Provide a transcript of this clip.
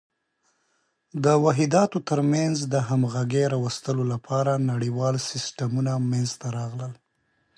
د واحداتو تر منځ د همغږۍ راوستلو لپاره نړیوال سیسټمونه منځته راغلل.